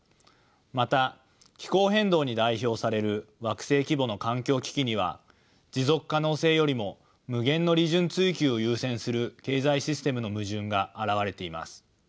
また気候変動に代表される惑星規模の環境危機には持続可能性よりも無限の利潤追求を優先する経済システムの矛盾が現れています。